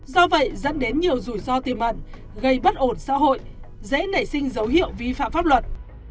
do vậy dẫn đến nhiều rủi ro tiềm ẩn gây bất ổn xã hội dễ nảy sinh dấu hiệu vi phạm pháp luật